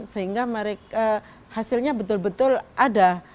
sehingga hasilnya betul betul ada